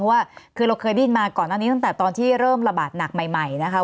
เพราะว่าคือเราเคยได้ยินมาก่อนหน้านี้ตั้งแต่ตอนที่เริ่มระบาดหนักใหม่นะคะ